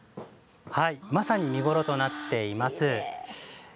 まさに見頃となっています。